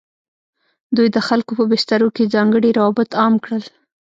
دوی د خلکو په بسترو کې ځانګړي روابط عام کړل.